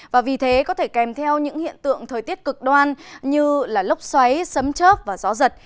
và vì thế có thể kèm theo những hiện tượng thời tiết cực đoan như lốc xoáy sấm chớp và gió giật